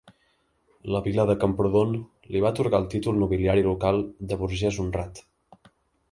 La Vila de Camprodon li va atorgar el títol nobiliari local de Burgès Honrat.